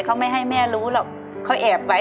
เขาไม่ให้แม่รู้หรอกเขาแอบไว้